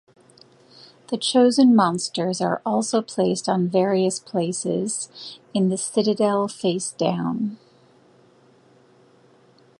The chosen monsters are also placed on various places in the Citadel facedown.